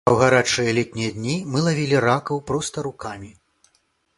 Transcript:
А ў гарачыя летнія дні мы лавілі ракаў проста рукамі.